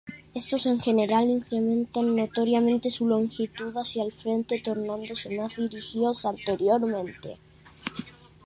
Estos en general incrementan notoriamente su longitud hacia el frente, tornándose más dirigidos anteriormente.